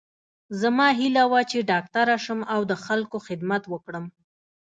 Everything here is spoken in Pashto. زما هیله وه چې ډاکټره شم او د خلکو خدمت وکړم